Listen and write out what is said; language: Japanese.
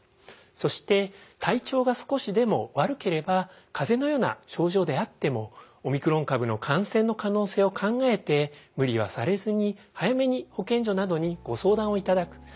そして体調が少しでも悪ければ風邪のような症状であってもオミクロン株の感染の可能性を考えて無理はされずに早めに保健所などにご相談をいただく。